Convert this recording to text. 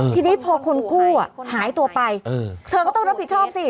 ทีนี้พอคนกู้หายตัวไปเธอก็ต้องรับผิดชอบสิ